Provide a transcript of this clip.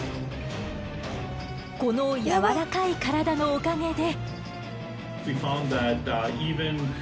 この柔らかい体のおかげで。